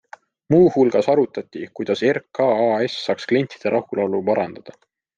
Muu hulgas arutati, kuidas RKAS saaks klientide rahulolu parandada.